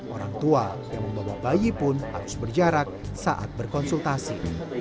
orang tua yang membawa bayi pun harus berjarak saat berkonsultasi